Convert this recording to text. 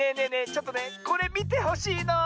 ちょっとねこれみてほしいの。